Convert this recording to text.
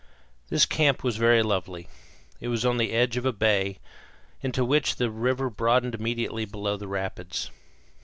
This camp was very lovely. It was on the edge of a bay, into which the river broadened immediately below the rapids.